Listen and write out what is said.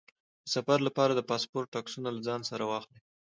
د سفر لپاره د پاسپورټ عکسونه له ځان سره واخلئ.